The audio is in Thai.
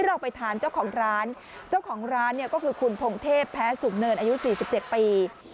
เราไปถามเจ้าของร้านเจ้าของร้านเนี่ยก็คือคุณพงเทพแพ้สูงเนินอายุ๔๗ปี